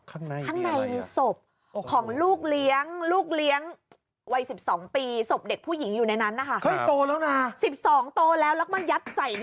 ข้างในเป็นยังไงอ๋อ